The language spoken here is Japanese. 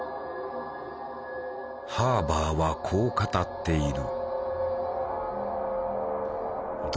ハーバーはこう語っている。